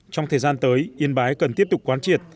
trong thời gian tới yên bái cần tiếp tục quán triệt